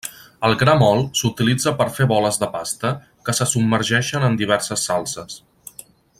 El gra mòlt s'utilitza per fer boles de pasta que se submergeixen en diverses salses.